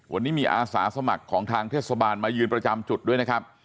วันนี้มีอาสาสมัครของทางเทศบาลมายืนประจำจุดด้วยนะครับ